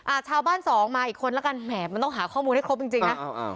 ชาวบ้านสองมาอีกคนแล้วกันแหมมันต้องหาข้อมูลให้ครบจริงจริงนะ